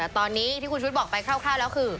ตอนนี้ที่คุณชุวิตบอกไปคร่าวแล้วคือ